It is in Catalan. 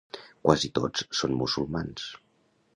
Quasi tots són musulmans.